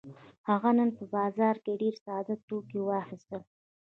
هغه نن په بازار کې ډېر ساده توکي واخيستل.